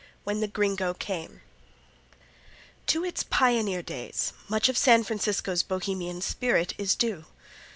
When the Gringo Came To its pioneer days much of San Francisco's Bohemian spirit is due.